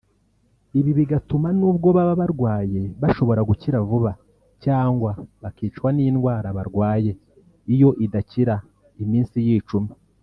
ibi bigatuma nubwo baba barwaye bashobora gukira vuba cyangwa bakicwa n’indwara barwaye (iyo idakira) iminsi yicumye